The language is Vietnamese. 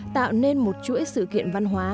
tạo nên một chuỗi sự kiện văn hóa